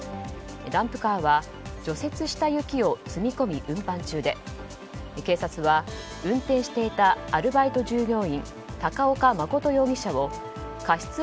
ダンプカーは除雪した雪を積み込み運搬中で警察は運転していたアルバイト従業員高岡誠容疑者を過失